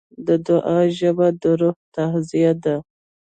د دعا ژبه د روح تغذیه ده.